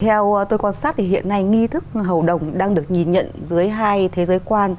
theo tôi quan sát thì hiện nay nghi thức hầu đồng đang được nhìn nhận dưới hai thế giới quan